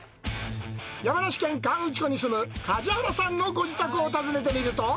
山梨県河口湖に住む梶原さんのご自宅を訪ねてみると。